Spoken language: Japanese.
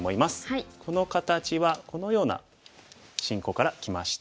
この形はこのような進行からきました。